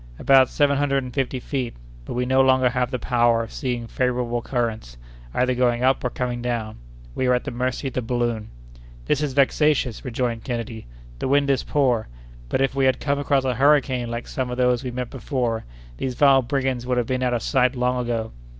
"About seven hundred and fifty feet; but we no longer have the power of seeking favorable currents, either going up or coming down. We are at the mercy of the balloon!" "That is vexatious!" rejoined Kennedy. "The wind is poor; but if we had come across a hurricane like some of those we met before, these vile brigands would have been out of sight long ago."